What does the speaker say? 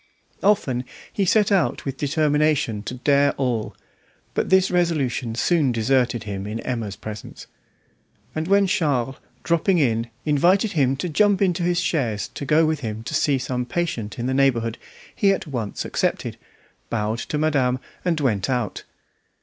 Often he set out with the determination to dare all; but this resolution soon deserted him in Emma's presence, and when Charles, dropping in, invited him to jump into his chaise to go with him to see some patient in the neighbourhood, he at once accepted, bowed to madame, and went out.